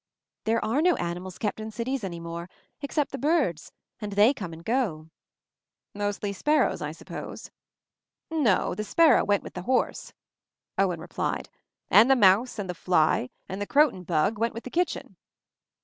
"There are no animals kept in cities any more — except the birds — and they come and "Mostly sparrows, I suppose?" "Nb; the sparrow went with the horse," Owen replied. "And the mouse, the fly and the croton bug went with the kitchen."